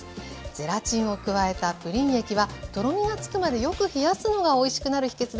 ゼラチンを加えたプリン液はとろみがつくまでよく冷やすのがおいしくなる秘けつです。